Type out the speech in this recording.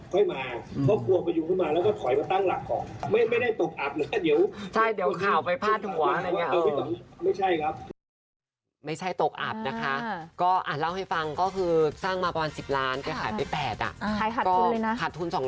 ก็ค่อยมาเพราะกลัวพยุงขึ้นมาแล้วทำปี่อยมาเต้านกดหนาของ